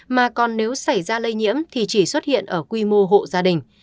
mà còn nếu xảy ra lây nhiễm thì chỉ xuất hiện ở quy mô hộ gia đình